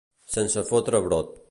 Sense fotre brot.